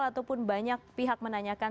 ataupun banyak pihak menanyakan